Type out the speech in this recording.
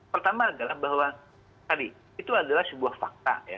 pertama adalah bahwa tadi itu adalah sebuah fakta ya